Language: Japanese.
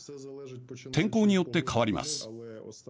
天候によって変わります。